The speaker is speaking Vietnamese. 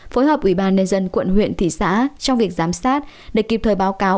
phối hợp ubnd quận huyện thị xã trong việc giám sát để kịp thời báo cáo